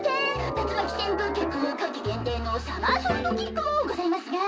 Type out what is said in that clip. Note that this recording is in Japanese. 竜巻旋風脚夏季限定のサマーソルトキックもございますが。